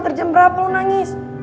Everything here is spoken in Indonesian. terjemah berapa lo nangis